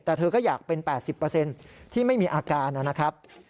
แต่เธอก็อยากเป็น๘๐ที่ไม่มีอาการนะครับ